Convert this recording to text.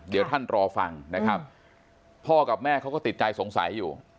เดี๋ยวท่านรอฟังนะครับพ่อกับแม่เขาก็ติดใจสงสัยอยู่